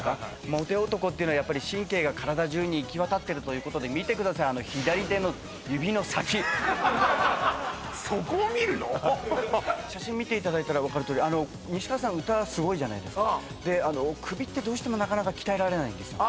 モテ男っていうのはやっぱり神経が体中に行き渡ってるということで写真見ていただいたら分かるとおり西川さん歌すごいじゃないですかであの首ってどうしてもなかなか鍛えられないんですよ